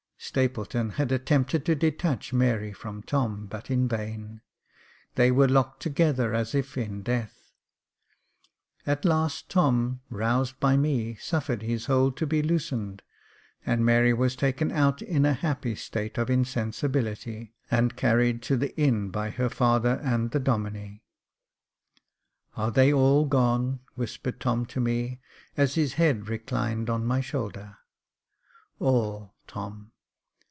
Stapleton had attempted to detach Mary from Tom, but in vain; they were locked together as if in death. At last Tom, Jacob Faithful 419 roused by me, suffered his hold to be loosened, and Mary was taken out in a happy state of insensibility, and carried to the inn by her father and the Domine. Are they all gone ?" whispered Tom to me, as his head reclined on my shoulder. " All, Tom."